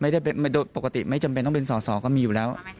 ปกติไม่จำเป็นต้องเป็นสอสอก็มีอยู่แล้ว